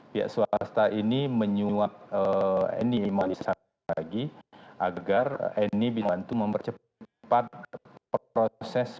pihak swasta ini menyuap eni m saragih agar eni bintang bantu mempercepat proses